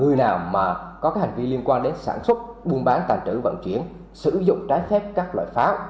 trường hợp mà người nào mà có cái hành vi liên quan đến sản xuất mua bán tăng trữ vận chuyển sử dụng trái phép các loại pháo